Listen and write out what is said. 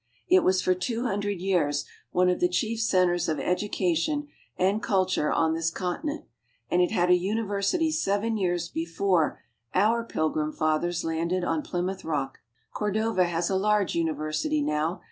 It was for two hundred years one of the chief centers of education and culture on this continent, and it had a university seven years before our Pilgrim fathers landed on Plymouth Rock. Cordova has a large university now.